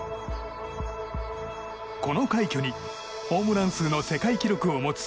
この快挙に、ホームラン数の世界記録を持つ